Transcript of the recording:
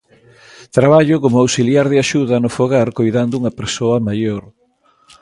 Traballo como auxiliar de axuda no fogar coidando a unha persoa maior.